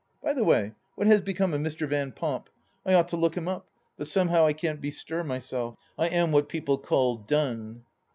By the way, what has become of Mr. Van Pomp ? I ought to look him up, but somehow I can't bestir myself — ^I am what people call " done."